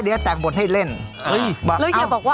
เดี๋ยวให้เรียนให้ดีกว่า